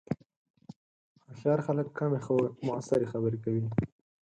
هوښیار خلک کمې، خو مؤثرې خبرې کوي